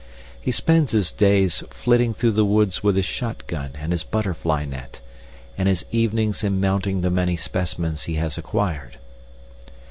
He spends his days flitting through the woods with his shot gun and his butterfly net, and his evenings in mounting the many specimens he has acquired.